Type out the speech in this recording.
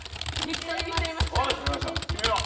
決めよう。